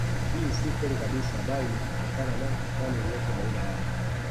Hii si kweli kabisa bali ni kutokana na utani uliopo baina yao